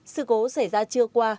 sự cố xảy ra trưa qua